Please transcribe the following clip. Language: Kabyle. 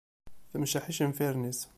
Temceḥ icenfiren-is.